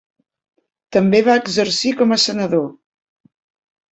També va exercir com a senador.